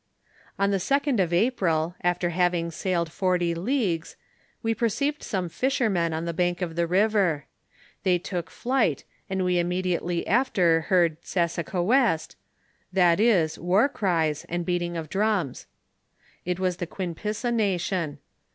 On the second of April, after having sailed forty leagues, we perceived some fishermen on the bank of the river; they took flight, and we immediately after heard sasacoiiest, that is, war cries, and beating of drums. It was the Quinipissa nation.